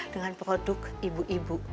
dengan produk ibu ibu